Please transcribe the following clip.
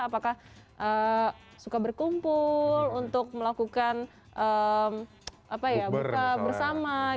apakah suka berkumpul untuk melakukan buka bersama